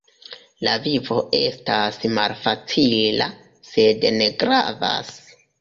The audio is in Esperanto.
La vivo estas malfacila, sed ne gravas.